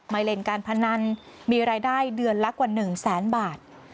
เล่นการพนันมีรายได้เดือนละกว่า๑แสนบาท